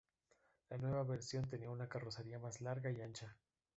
La nueva versión tenía una carrocería más larga y ancha.